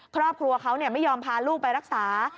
ครอบครัวเขาไม่ยอมพาลูกไปรักษา